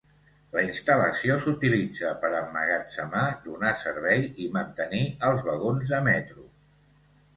La instal·lació s'utilitza per emmagatzemar, donar servei i mantenir els vagons de metro.